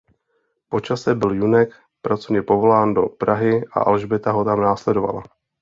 Po čase byl Junek pracovně povolán do Prahy a Alžběta ho tam následovala.